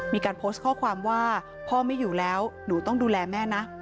มีการโพสต์ข้อความว่าพ่อไม่อยู่แล้วหนูต้องดูแลแม่นะ